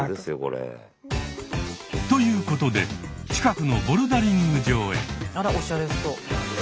ということで近くのボルダリング場へ。